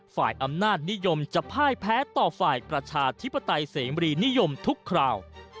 ฝ่ายอำนาจนิยมจะพ่ายแพ้ต่อฝ่ายประชาธิปไตยเสมรีนิยมทุกคราว